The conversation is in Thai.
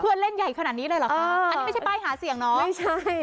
เล่นใหญ่ขนาดนี้เลยเหรอคะอันนี้ไม่ใช่ป้ายหาเสียงเนาะไม่ใช่